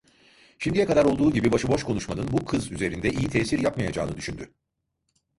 Şimdiye kadar olduğu gibi başıboş konuşmanın bu kız üzerinde iyi tesir yapmayacağını düşündü.